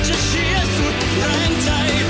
เชียร์สุดแรงใจ